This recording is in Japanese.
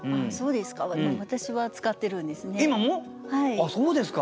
あっそうですか。